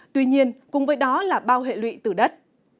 tuy nhiên cùng với đó là bao hệ lụy từ đất